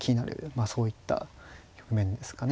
まあそういった局面ですかね。